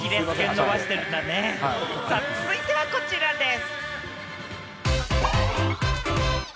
続いてはこちらです。